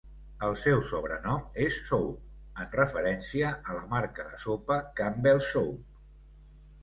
El seu sobrenom és "Soup", en referència a la marca de sopa Campbell's Soup.